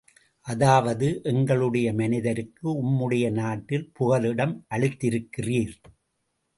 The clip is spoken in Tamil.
அதாவது, எங்களுடைய மனிதருக்கு, உம்முடைய நாட்டில் புகலிடம் அளித்திருக்கிறீர்.